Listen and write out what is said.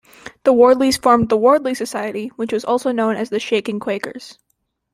The Wardleys formed the Wardley Society, which was also known as the "Shaking Quakers".